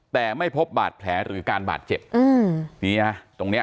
แต่ไม่พบบาดแผลหรือการบาดเจ็บอืมนี่ฮะตรงเนี้ย